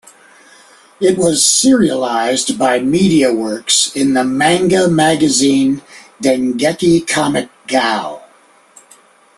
It was serialized by MediaWorks in the manga magazine Dengeki Comic Gao!